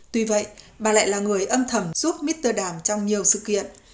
tuy vậy bà lại là người âm thầm giúp mitterdam trong nhiều sự kiện